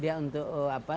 dia untuk apa